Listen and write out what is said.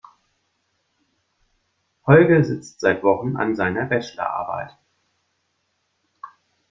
Holger sitzt seit Wochen an seiner Bachelorarbeit.